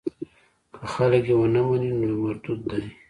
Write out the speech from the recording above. که خلک یې ونه مني نو مردود دی.